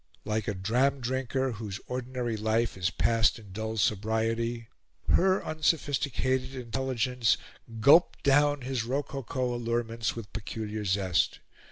Like a dram drinker, whose ordinary life is passed in dull sobriety, her unsophisticated intelligence gulped down his rococo allurements with peculiar zest.